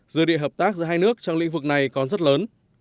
dự định hợp tác giữa hai nước trong lĩnh vực này còn rất lớn